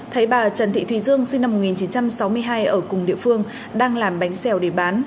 thấy bà trần thị thùy dương sinh năm một nghìn chín trăm sáu mươi hai ở cùng địa phương đang làm bánh xèo để bán